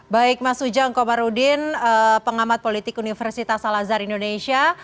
baik mas ujang komarudin pengamat politik universitas salazar indonesia